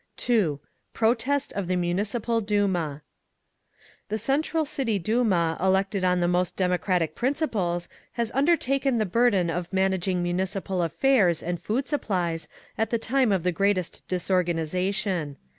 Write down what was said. _ 2. PROTEST OF THE MUNICIPAL DUMA "The Central City Duma, elected on the most democratic principles, has undertaken the burden of managing Municipal affairs and food supplies at the time of the greatest disorganisation.